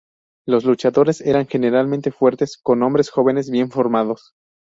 Los luchadores eran generalmente fuertes, con hombres jóvenes bien formados.